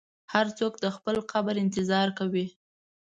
هر څوک د خپل قبر انتظار کوي.